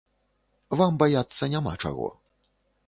Вам баяцца няма чаго.